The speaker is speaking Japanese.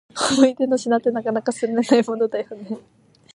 思い出の品って、なかなか捨てられないものだよね。